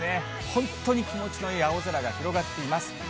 本当に気持ちのいい青空が広がっています。